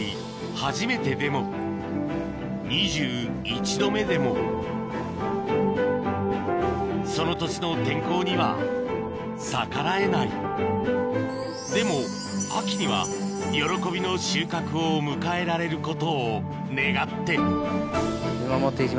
初めてでも２１度目でもその年の天候には逆らえないでも秋には喜びの収穫を迎えられることを願ってそうですね。